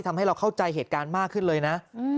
ทำให้เราเข้าใจเหตุการณ์มากขึ้นเลยนะ